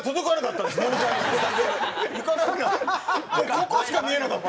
ここしか見えなかった。